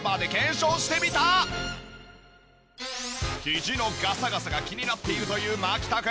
ひじのガサガサが気になっているという牧田君。